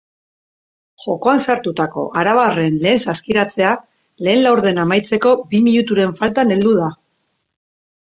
Jokoan sartutako arabarren lehen saskiratzea lehen laurdena amaitzeko bi minuturen faltan heldu da.